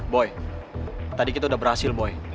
boy tadi kita udah berhasil boy